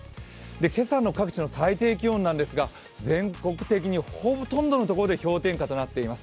今朝の各地の最低気温ですが、全国的にほとんどの所で氷点下となっています